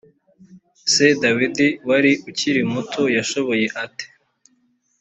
se dawidi wari ukiri muto yashoboye ate